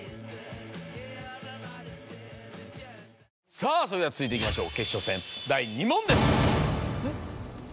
さぁそれでは続いていきましょう。